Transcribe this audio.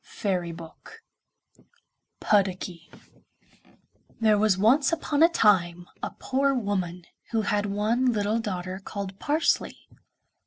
PUDDOCKY (From the German) There was once upon a time a poor woman who had one little daughter called 'Parsley.